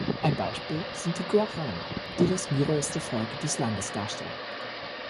Ein Beispiel sind die Guarani, die das größte Volk des Landes darstellen.